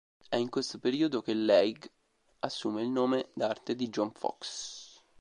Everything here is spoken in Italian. È in questo periodo che Leigh assume il nome d'arte di John Foxx.